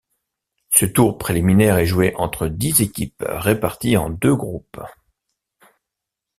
Ce tour préliminaire est joué entre dix équipes réparties en deux groupes.